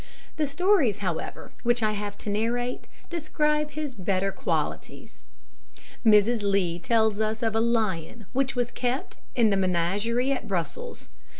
The stories, however, which I have to narrate, describe his better qualities. Mrs Lee tells us of a lion which was kept in the menagerie at Brussels.